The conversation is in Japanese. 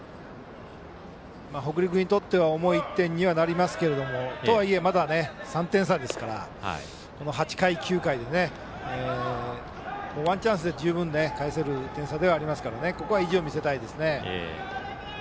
北陸にとっては重い１点にはなりますけどとはいえ、まだ３点差ですから８回、９回でワンチャンスで十分に返せる点差ではありますからここは意地を見せたいですね。